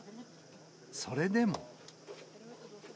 それでも。